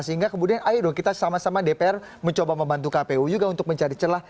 sehingga kemudian ayo dong kita sama sama dpr mencoba membantu kpu juga untuk mencari celah